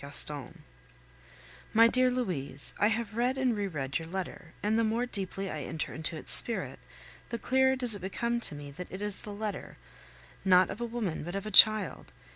GASTON My dear Louise, I have read and re read your letter, and the more deeply I enter into its spirit, the clearer does it become to me that it is the letter, not of a woman, but of a child.